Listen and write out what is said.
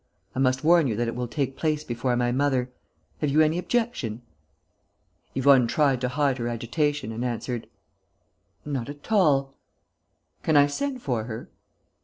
I must warn you that it will take place before my mother. Have you any objection?" Yvonne tried to hide her agitation and answered: "None at all." "Can I send for her?"